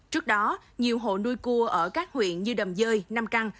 trước đó nhiều hộ nuôi cua ở các huyện như đầm dơi nam căng